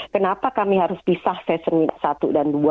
kenapa kami harus pisah session satu dan dua